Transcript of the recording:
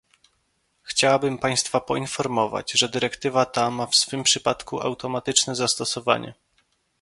Chciałabym państwa poinformować, że dyrektywa ta ma w tym przypadku automatyczne zastosowanie